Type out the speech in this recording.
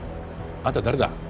あんた誰だ？